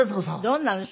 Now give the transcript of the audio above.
どんなの？